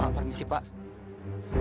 pak permisi pak